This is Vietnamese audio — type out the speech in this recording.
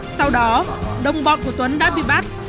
sau đó đồng bọn của tuấn đã bị bắt